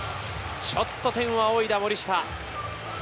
ちょっと天を仰いだ森下。